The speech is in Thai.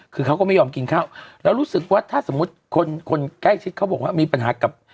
คือเขาก็ไม่ยอมกินข้าวแล้วรู้สึกว่าถ้าสมมุติคนคนใกล้ชิดเขาบอกว่ามีปัญหากับ